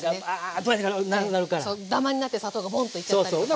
そうダマになって砂糖がボンといっちゃったりとか。そうそう。